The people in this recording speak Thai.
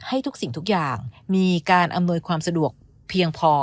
ทุกสิ่งทุกอย่างมีการอำนวยความสะดวกเพียงพอ